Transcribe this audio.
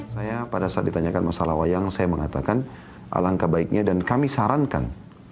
saya pada saat ditanyakan masalah wayang saya mengatakan alangkah baiknya dan kami sarankan